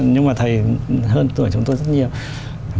nhưng mà thầy hơn tuổi chúng tôi rất nhiều